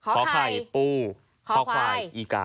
ขอไข่ปูคอควายอีกา